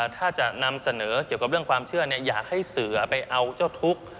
ถ้าจะนำเสนอเกี่ยวกับเรื่องความเชื่ออยากให้เสือไปเอาเจ้าทุกข์